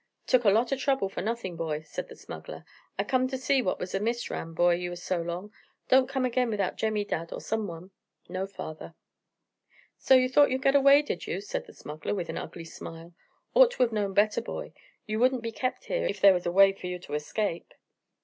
"Took a lot o' trouble for nothing, boy," said the smuggler. "I come to see what was amiss, Ram, boy, you was so long. Don't come again without Jemmy Dadd or some one." "No, father." "So you thought you'd get away, did you?" said the smuggler, with an ugly smile. "Ought to have known better, boy. You wouldn't be kept here, if there was a way for you to escape."